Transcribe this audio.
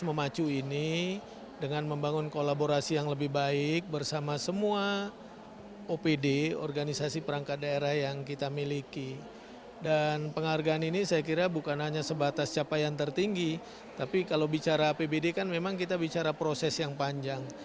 menghargaan ini saya kira bukan hanya sebatas capaian tertinggi tapi kalau bicara apbd kan memang kita bicara proses yang panjang